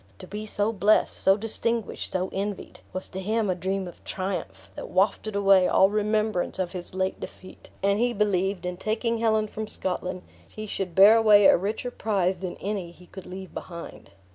To be so blessed, so distinguished, so envied, was to him a dream of triumph, that wafted away all remembrance of his late defeat; and he believed, in taking Helen from Scotland, he should bear away a richer prize than any he could leave behind.